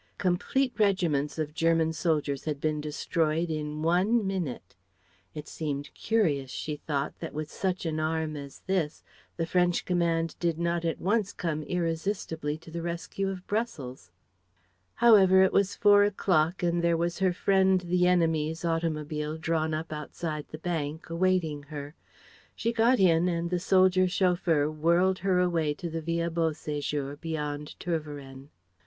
Complete regiments of German soldiers had been destroyed in one minute. It seemed curious, she thought, that with such an arm as this the French command did not at once come irresistibly to the rescue of Brussels.... However, it was four o'clock, and there was her friend the enemy's automobile drawn up outside the bank, awaiting her. She got in, and the soldier chauffeur whirled her away to the Villa Beau séjour, beyond Tervueren.